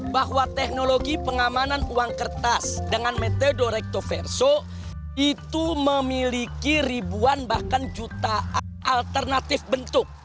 bahwa teknologi pengamanan uang kertas dengan metode rectoverso itu memiliki ribuan bahkan jutaan alternatif bentuk